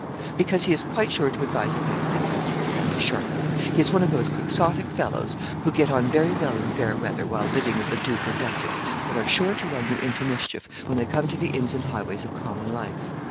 'Because he is quite sure to advise against it,' answered Stanley, sharply. 'He is one of those Quixotic fellows who get on very well in fair weather, while living with a duke or duchess, but are sure to run you into mischief when they come to the inns and highways of common life.